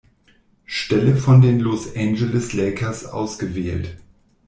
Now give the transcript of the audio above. Stelle von den Los Angeles Lakers ausgewählt.